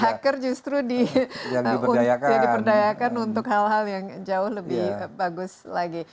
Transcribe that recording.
hacker justru diperdayakan untuk hal hal yang jauh lebih bagus lagi